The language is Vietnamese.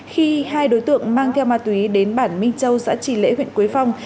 khi hai đối tượng mang theo ma túy đến bản minh châu xã trì lễ huyện quế phong